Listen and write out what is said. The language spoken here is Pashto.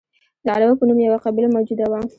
د عربو په نوم یوه قبیله موجوده وه.